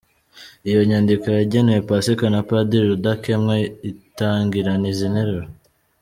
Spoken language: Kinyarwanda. Iyo nyandiko yagenewe Pasika na Padiri Rudakemwa itangirana izi nteruro.